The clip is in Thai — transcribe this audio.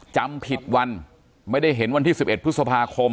จำผิดวันไม่ได้เห็นวันที่๑๑พฤษภาคม